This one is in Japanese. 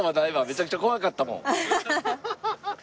めちゃくちゃ怖かったもん。